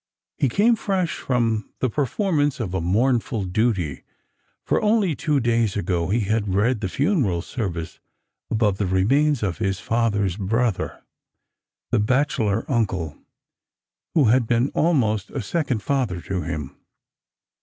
He came fresh from the perform ance of a mournful duty, for only two days ago he had read the funeral service above the remain« of his father's brother, the bachelor uncle who had been almost a second father to him.